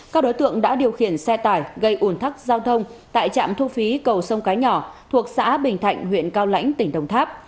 các đối tượng đã điều khiển xe tải gây ủn tắc giao thông tại trạm thu phí cầu sông cái nhỏ thuộc xã bình thạnh huyện cao lãnh tỉnh đồng tháp